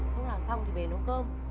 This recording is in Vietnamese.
lúc nào xong thì về nấu cơm